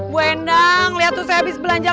bu endang lihat tuh saya habis belanja